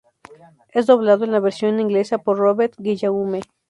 Es doblado en la versión inglesa por Robert Guillaume.